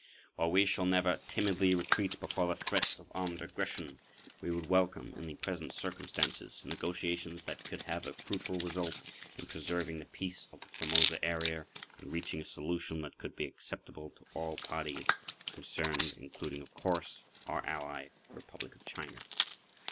While we shall never timidly retreat before the threat of armed aggression, we would welcome in the present circumstances negotiations that could have a fruitful result in preserving the peace of the Formosa area and reaching a solution that could be acceptable to all parties concerned including, of course, our ally, the Republic of China.